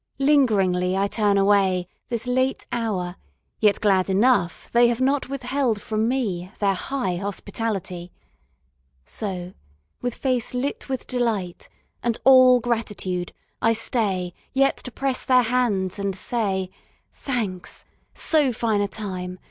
Lingeringly I turn away, This late hour, yet glad enough They have not withheld from me Their high hospitality. So, with face lit with delight And all gratitude, I stay Yet to press their hands and say, "Thanks. So fine a time